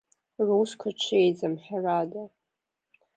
Русқәа ҽеиӡам, ҳәарада.